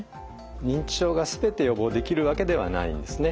認知症が全て予防できるわけではないんですね。